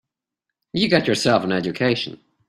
You get yourself an education.